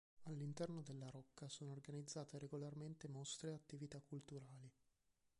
All'interno della rocca sono organizzate regolarmente mostre e attività culturali.